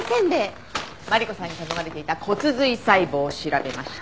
マリコさんに頼まれていた骨髄細胞調べました。